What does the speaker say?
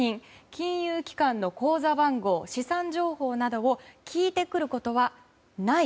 金融機関の口座番号資産の情報などを聞いてくることはない。